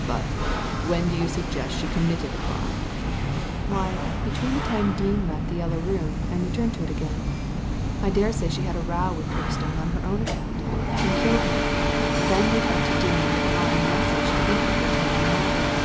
''But when do you suggest she committed the crime ?" Why, between the time Dean left the Yellow Room and returned to it again. I dare say she had a row with Kirkstone on her own account, and killed him, then went up to Dean with a lying message to implicate him in the matter."